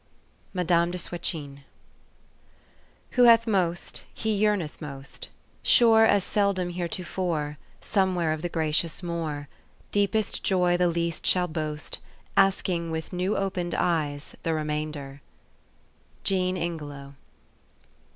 MME. Di; SWETCHINE. " Who hath most, he yearneth most, Sure as seldom heretofore, Somewhere of the gracious more. Deepest joy the least shall boast, Asking with new opened eyes The remainder." ... JEAN INGELOW.